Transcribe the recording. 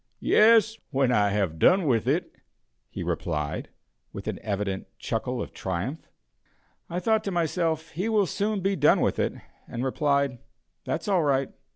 "Yes, when I have done with it," he replied, with an evident chuckle of triumph. I thought to myself, he will soon be done with it, and replied: "That's all right."